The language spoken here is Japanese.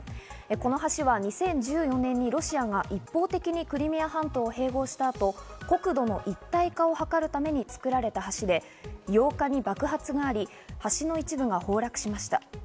この橋は２０１４年にロシアが一方的にクリミア半島を併合した後、国土の一体化を図るために作られた橋で、８日に爆発があり、橋の一部が崩落しました。